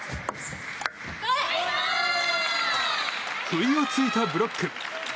不意を突いたブロック。